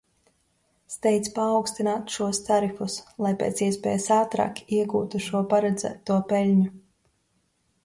Steidz paaugstināt šos tarifus, lai pēc iespējas ātrāk iegūtu šo paredzēto peļņu.